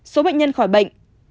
số bệnh nhân khỏi bệnh